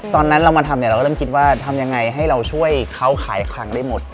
ตอนนั้นเรามาทำเนี่ยเราก็เริ่มคิดว่าทำยังไงให้เราช่วยเขาขายคลังได้หมด